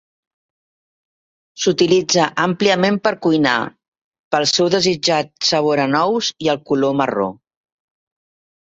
S'utilitza àmpliament per cuinar, pel seu desitjat sabor a nous i el color marró.